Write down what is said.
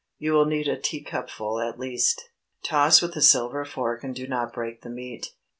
You will need a teacupful at least. Toss with a silver fork and do not break the meat.